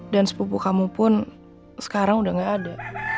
dan sepupu kamu pun sekarang udah gak ada